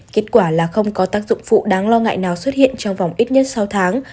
kết quả là không có tác dụng phụ đáng lo ngại nào xuất hiện trong vòng ít nhất sáu tháng